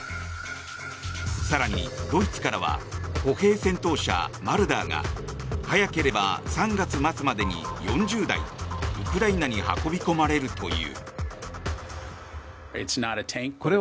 更に、ドイツからは歩兵戦闘車、マルダーが早ければ３月末までに４０台、ウクライナに運び込まれるという。